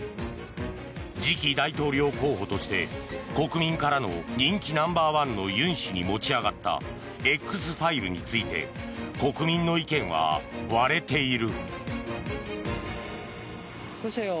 次期大統領候補として国民からの人気ナンバー１のユン氏に持ち上がったＸファイルについて国民の意見は割れている。